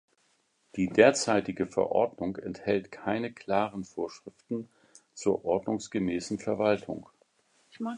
Die derzeitige Verordnung enthält keine klaren Vorschriften zur ordnungsgemäßen Verwaltung.